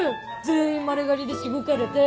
全員丸刈りでしごかれて。